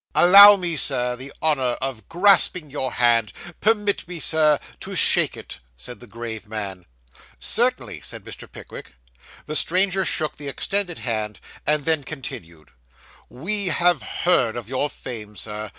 'Allow me, Sir, the honour of grasping your hand. Permit me, Sir, to shake it,' said the grave man. 'Certainly,' said Mr. Pickwick. The stranger shook the extended hand, and then continued 'We have heard of your fame, sir.